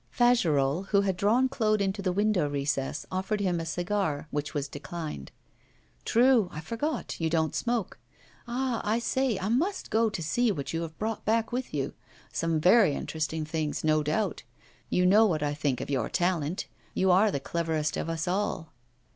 Fagerolles, who had drawn Claude into the window recess, offered him a cigar, which was declined. 'True, I forgot; you don't smoke. Ah! I say, I must go to see what you have brought back with you. Some very interesting things, no doubt. You know what I think of your talent. You are the cleverest of us all.